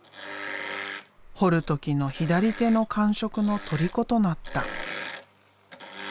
彫る時の左手の感触のとりことなった。